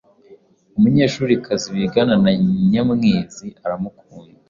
Umunyeshurikazi wigana na Nyamwezi aramukunda,